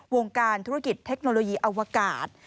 วงการธุรกิจเทคโนโลยีอวกาศ